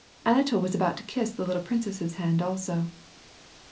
Anatol was about to kiss the little princess's hand also.